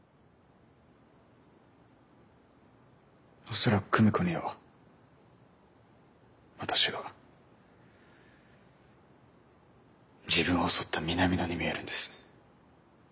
恐らく久美子には私が自分を襲った南野に見えるんです。